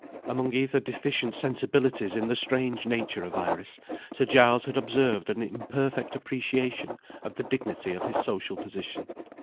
Among ether deficient sensibilities in the strange nature of Iris, Sir Giles had observed an imperfect appreciation of the dignity of his social position.